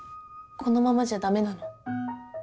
このままじゃダメなの？